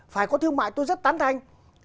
phải có thương mại tôi rất tán thanh